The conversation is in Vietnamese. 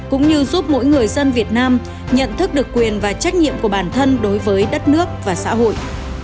cũng như giúp mỗi người dân việt nam nhận thức được quyền và trách nhiệm của bản thân đối với đất nước và xã hội